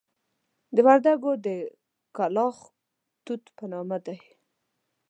د وردکو د کلاخ توت په نامه دي.